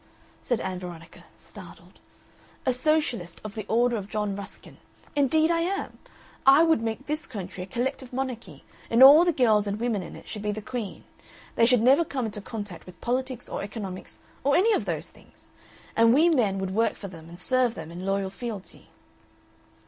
said Ann Veronica, startled. "A Socialist of the order of John Ruskin. Indeed I am! I would make this country a collective monarchy, and all the girls and women in it should be the Queen. They should never come into contact with politics or economics or any of those things. And we men would work for them and serve them in loyal fealty."